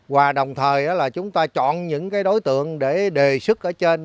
và đồng thời là chúng ta chọn những cái đối tượng để đề sức ở trên